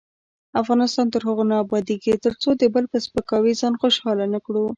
افغانستان تر هغو نه ابادیږي، ترڅو د بل په سپکاوي ځان خوشحاله نکړو.